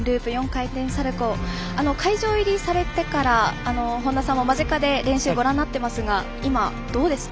会場入りされてから本田さんも間近で練習をご覧になっていますが今、どうですか？